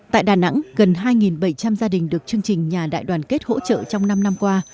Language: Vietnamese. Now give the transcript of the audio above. tại đà nẵng gần hai bảy trăm linh gia đình được chương trình nhà đại đoàn kết hỗ trợ trong năm năm qua